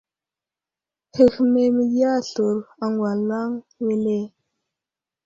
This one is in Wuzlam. Həhme məgiya aslər agwalaŋ wele ?